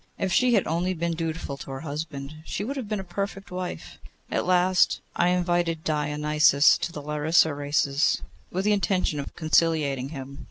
If she had only been dutiful to her husband, she would have been a perfect woman. At last I invited Deioneus to the Larissa races, with the intention of conciliating him.